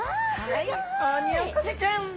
はいオニオコゼちゃん！